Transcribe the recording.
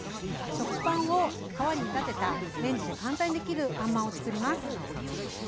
食パンを皮に見立てたレンジで簡単にできるあんまんをつくります。